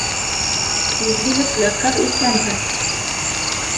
— Изгелекле ҡыҙ икәнһең.